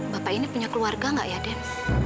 bapak ini punya keluarga gak ya den